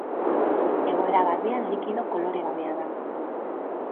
Egoera garbian, likido koloregabea da.